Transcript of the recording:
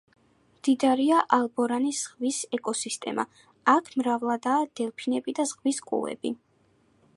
მდიდარია ალბორანის ზღვის ეკოსისტემა, აქ მრავლადაა დელფინები და ზღვის კუები.